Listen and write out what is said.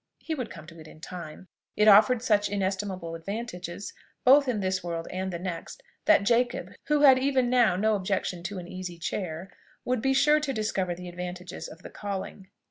He would come to it in time. It offered such inestimable advantages both in this world and the next, that Jacob, who had even now no objection to an easy chair, would be sure to discover the advantages of the calling.